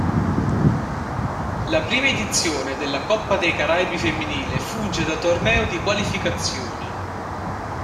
La prima edizione della Coppa dei Caraibi femminile funge da torneo di qualificazione.